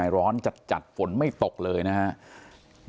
อาบน้ำเป็นจิตเที่ยว